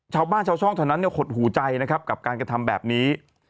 ชาวบ้านชาวช่องเท่านั้นหดหูใจนะครับกับการกระทำแบบนี้